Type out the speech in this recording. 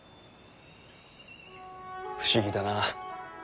不思議だな。